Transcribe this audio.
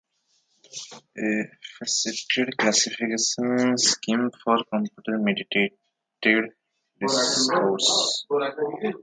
A Faceted Classification Scheme for Computer-Mediated Discourse.